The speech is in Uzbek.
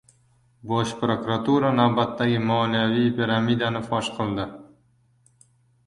Bosh prokuratura navbatdagi moliyaviy piramidani fosh qildi